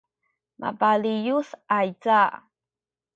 mabaliyus ayza